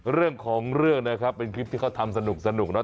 เรื่องของเรื่องนะครับเป็นคลิปที่เขาทำสนุกเนอ